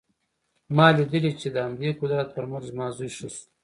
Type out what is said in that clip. ما لیدلي چې د همدې قدرت پر مټ زما زوی ښه شو